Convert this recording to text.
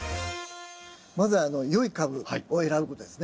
まずは良い株を選ぶことですね。